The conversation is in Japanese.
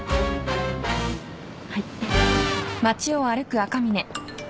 はい。